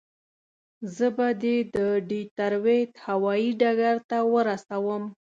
زه به دې د ډیترویت هوایي ډګر ته ورسوم.